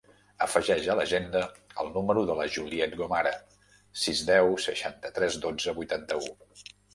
Afegeix a l'agenda el número de la Juliette Gomara: sis, deu, seixanta-tres, dotze, vuitanta-u.